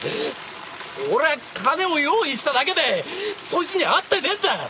俺は金を用意しただけでそいつには会ってねえんだよ！